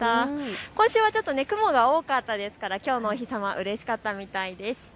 今週は雲は多かったですけれどきょうのお日様うれしかったみたいです。